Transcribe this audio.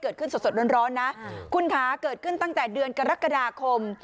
เกิดขึ้นสดร้อนนะคุณคะเกิดขึ้นตั้งแต่เดือนกรกฎาคม